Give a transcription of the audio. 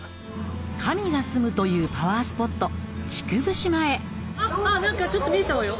神が住むというパワースポット竹生島へ何かちょっと見えたわよ